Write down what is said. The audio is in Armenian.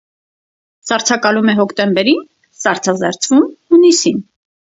Սառցակալում է հոկտեմբերին, սառցազերծվում՝ հունիսին։